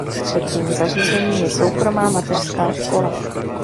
Třetím zařízením je soukromá mateřská škola.